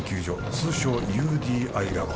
通称ＵＤＩラボ